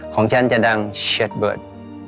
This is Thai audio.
ของฉันจะดังเชียดเบิร์ต